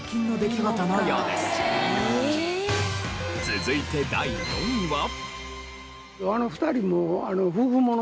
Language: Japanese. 続いて第４位は。